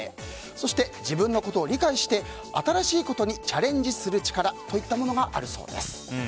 そして、自分のことを理解して新しいことにチャレンジする力といったものがあるそうです。